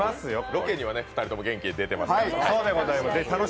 ロケには２人とも元気に出てますから。